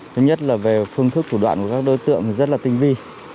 thứ nhất là về phương thức thủ đoạn của các đối tượng rất là tinh vi